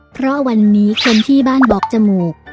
เพราะวันนี้คนที่บ้านบอกจมูก